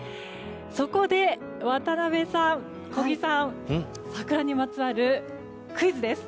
そこで渡辺さん、小木さん桜にまつわるクイズです！